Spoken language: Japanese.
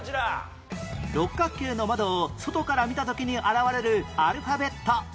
六角形の窓を外から見た時に現れるアルファベット